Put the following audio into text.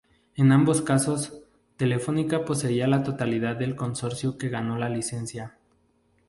En ambos casos, Telefónica poseía la totalidad del consorcio que ganó la licencia.